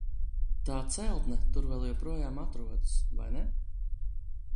Tā celtne tur vēl joprojām atrodas, vai ne?